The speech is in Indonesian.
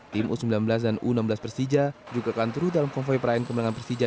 tim u sembilan belas dan u enam belas persija juga akan turut dalam konvoy perayaan kemenangan persija